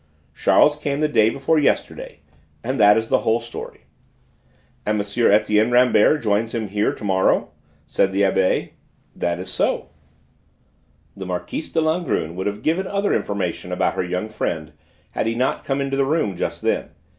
Charles came the day before yesterday, and that is the whole story." "And M. Etienne Rambert joins him here to morrow?" said the Abbé. "That is so "The Marquise de Langrune would have given other information about her young friend had he not come into the room just then.